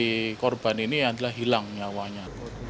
si korban ini yang telah hilang nyawanya